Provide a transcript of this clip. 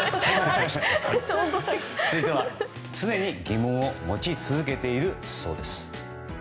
続いては、常に疑問を持ち続けているそうです。